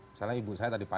misalnya ibu saya tadi